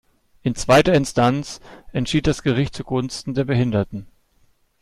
In zweiter Instanz entschied das Gericht zugunsten der Behinderten.